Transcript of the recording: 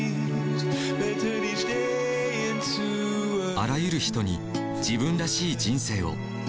あらゆる人に自分らしい人生を。